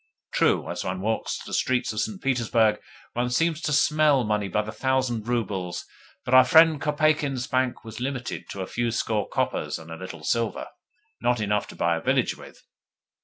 True, as one walks the streets of St. Petersburg one seems to smell money by the thousand roubles, but our friend Kopeikin's bank was limited to a few score coppers and a little silver not enough to buy a village with!